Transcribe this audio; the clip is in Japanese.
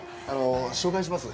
紹介します。